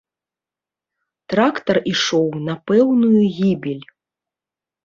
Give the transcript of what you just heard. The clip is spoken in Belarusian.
Трактар ішоў на пэўную гібель.